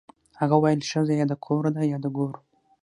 هغه ویل ښځه یا د کور ده یا د ګور